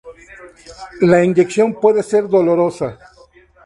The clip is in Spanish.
La inyección puede ser dolorosa.